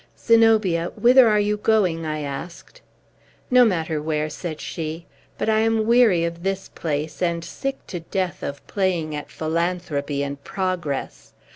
"Zenobia, whither are you going?" I asked. "No matter where," said she. "But I am weary of this place, and sick to death of playing at philanthropy and progress.